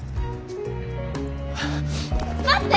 待って！